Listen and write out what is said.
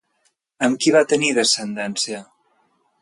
Amb qui va tenir descendència?